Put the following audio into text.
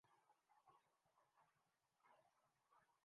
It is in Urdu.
جم کورٹر پر غور کرو